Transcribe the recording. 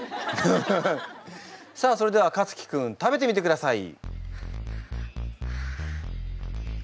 さあそれではかつき君食べてみてください！